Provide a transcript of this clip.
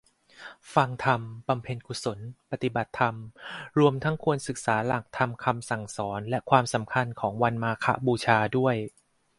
ฟังธรรม บำเพ็ญกุศล ปฏิบัติธรรม รวมทั้งควรศึกษาหลักธรรมคำสั่งสอน และความสำคัญของวันมาฆบูชาด้วย